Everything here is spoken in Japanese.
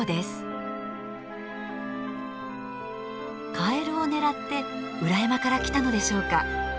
カエルを狙って裏山から来たのでしょうか。